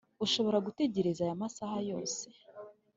urashobora gutegereza aya masaha yose?